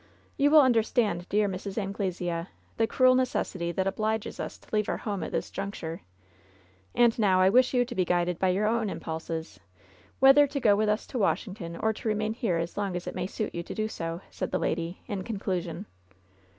"You will understand, dear Mrs. Anglesea, the cruel necessity that obliges us to leave our home at this june< 16 LOVE'S BITTEREST CUP. ture ; and now I wish you to be guided by your own im pulses whether to go with us to Washington or to remain here as long as it may suit you to do so," said the lady, in conclusion.